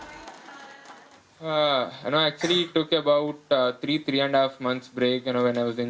saya sudah berada di luar badminton sejak saya mulai bermain